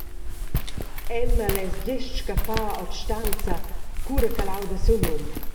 Emma less gest scappar ord stanza cura ch’ella auda siu num.